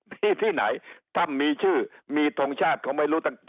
แม่ที่ไหนมีชื่อมีทรงชาติเขาไม่รู้เงี้ย